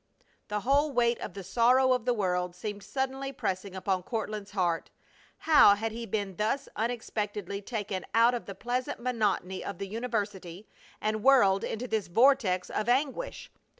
The whole weight of the sorrow of the world seemed suddenly pressing upon Courtland's heart. How had he been thus unexpectedly taken out of the pleasant monotony of the university and whirled into this vortex of anguish!